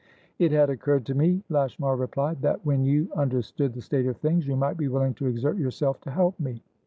"It had occurred to me," Lashmar replied, "that, when you understood the state of things, you might be willing to exert yourself to help me.